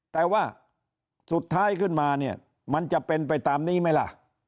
แต่ว่าสุดท้ายขึ้นมาเนี่ยมันจะเป็นไปตามนี้ไหมล่ะ